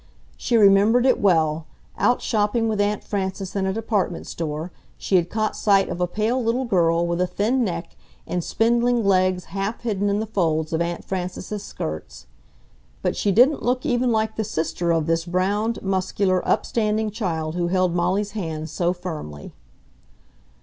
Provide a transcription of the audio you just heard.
She remembered it well—out shopping with Aunt Frances in a department store, she had caught sight of a pale little girl, with a thin neck, and spindling legs half hidden in the folds of Aunt Frances's skirts. But she didn't look even like the sister of this browned, muscular, upstanding child who held Molly's hand so firmly.